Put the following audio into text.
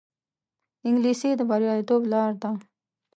انګلیسي د بریالیتوب لار ده